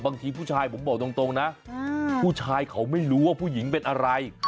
บางทีผู้ชายผมบอกตรงนะผู้ชายเขาไม่รู้ว่าผู้หญิงเป็นอะไร